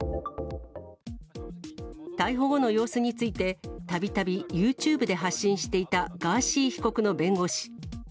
逮捕後の様子について、たびたびユーチューブで発信していたガーシー被告の弁護士。